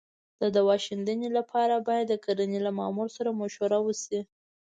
د دوا شیندنې لپاره باید د کرنې له مامور سره مشوره وشي.